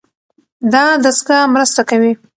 دا دستګاه مرسته کوي.